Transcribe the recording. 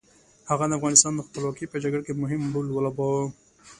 هغه د افغانستان د خپلواکۍ په جګړه کې مهم رول ولوباوه.